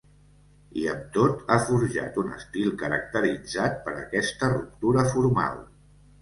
I, amb tot, ha forjat un estil caracteritzat per aquesta ruptura formal.